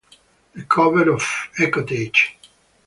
The cover of Ecotage!